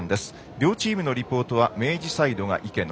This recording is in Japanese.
両チームのリポートは明治サイドが池野。